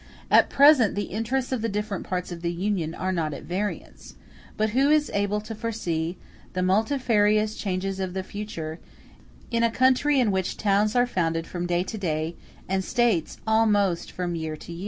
At present the interests of the different parts of the Union are not at variance; but who is able to foresee the multifarious changes of the future, in a country in which towns are founded from day to day, and States almost from year to year?